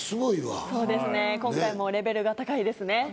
今回もレベルが高いですね。